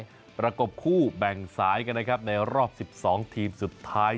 กับการปรากฎผู้แบ่งสายกันนะครับในรอบ๑๒ทีมสุดท้าย